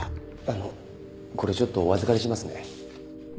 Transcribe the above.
あのこれちょっとお預かりしますね。